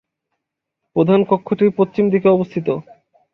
প্রধান কক্ষটি পশ্চিম দিকে অবস্থিত।